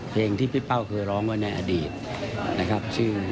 เพลงที่พี่เป้าเคยร้องไว้ในอดีตนะครับชื่อ